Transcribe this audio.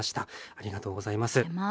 ありがとうございます。